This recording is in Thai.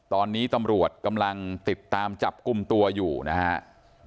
ตอนนี้ตำรวจกำลังติดตามจับกลุ่มตัวอยู่นะครับ